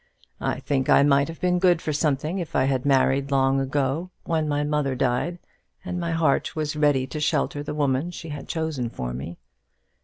I think I might have been good for something if I had married long ago, when my mother died, and my heart was ready to shelter the woman she had chosen for me.